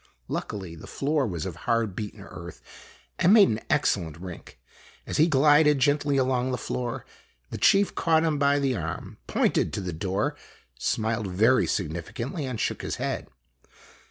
Luckily, the floor was of hard beaten earth and made an excellent rink. As he glided gently along the floor the chief caught him by the arm, pointed to the door, smiled very signifi cantly, and shook his head.